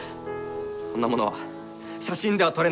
そんなものは写真では撮れない。